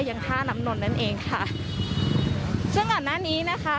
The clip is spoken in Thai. ยังท่าน้ำนนท์นั่นเองค่ะซึ่งก่อนหน้านี้นะคะ